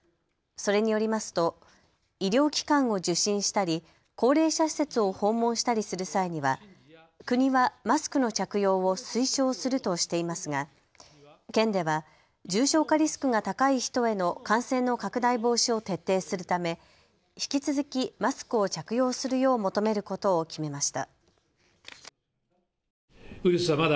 それによりますと医療機関を受診したり高齢者施設を訪問したりする際には国はマスクの着用を推奨するとしていますが県では重症化リスクが高い人への感染の拡大防止を徹底するため引き続きマスクを着用するよう求めることを決めました。